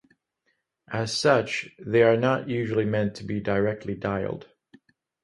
As such they are not usually meant to be directly dialled.